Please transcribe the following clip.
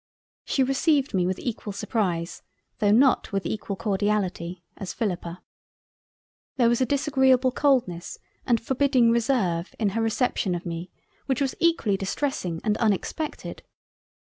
She received me with equal surprise though not with equal Cordiality, as Philippa. There was a disagreable coldness and Forbidding Reserve in her reception of me which was equally distressing and Unexpected.